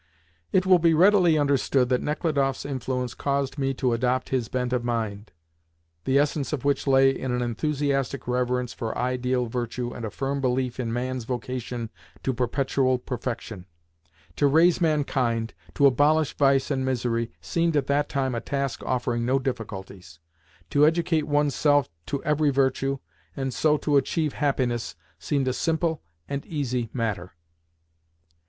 It will readily be understood that Nechludoff's influence caused me to adopt his bent of mind, the essence of which lay in an enthusiastic reverence for ideal virtue and a firm belief in man's vocation to perpetual perfection. To raise mankind, to abolish vice and misery, seemed at that time a task offering no difficulties. To educate oneself to every virtue, and so to achieve happiness, seemed a simple and easy matter.